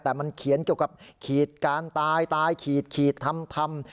แต่มันเขียนเกี่ยวกับขีดการตายตายขีดขีดทำ